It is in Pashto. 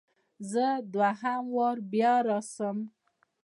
زه دوهم واري بیا راسم؟